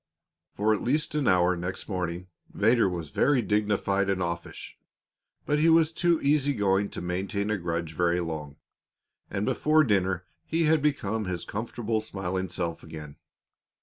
For at least an hour next morning Vedder was very dignified and offish. But he was too easy going to maintain a grudge very long, and before dinner he had become his comfortable, smiling self again.